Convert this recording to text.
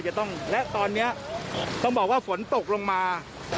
จะต้องและตอนนี้ต้องบอกว่าฝนตกลงมา